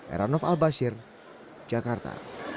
erhanov albasir jakarta